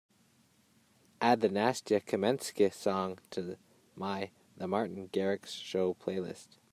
Add the Nastya Kamenskih song to my The Martin Garrix Show playlist.